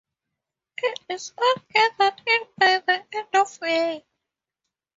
It is all gathered in by the end of May.